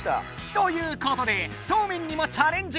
ということでそうめんにもチャレンジ！